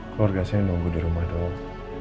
keluarga saya nunggu dirumah doang